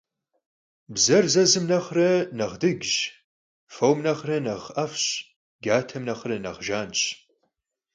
Bzer zezım nexhre nexh dıcş, fom nexhre nexh 'ef'ş, catem nexhre nexh jjanş.